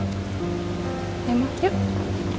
ya ma yuk